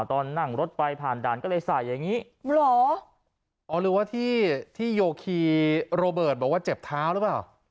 ตอนนั่งรถไปผ่านด่านก็เลยใส่อย่างนี้หรออ๋อหรือว่าที่ที่โยคีโรเบิร์ตบอกว่าเจ็บเท้าหรือเปล่า